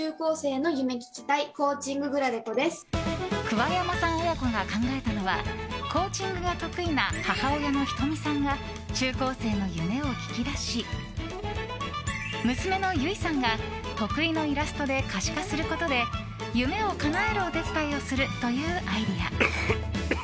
桑山さん親子が考えたのはコーチングが得意な母親のひとみさんが中高生の夢を聞き出し娘のゆいさんが得意のイラストで可視化することで夢をかなえるお手伝いをするというアイデア。